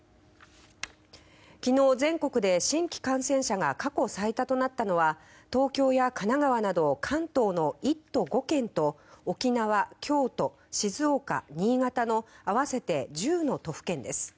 昨日、全国で新規感染者が過去最多となったのは東京や神奈川など関東の１都５県と沖縄、京都、静岡、新潟の合わせて１０の都府県です。